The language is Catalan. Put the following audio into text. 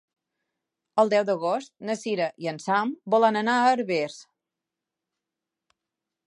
El deu d'agost na Cira i en Sam volen anar a Herbers.